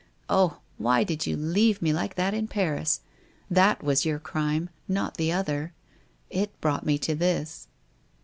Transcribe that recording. Oh! why did you leave me like that in Paris? That was your crime, not the other. It brought me to this.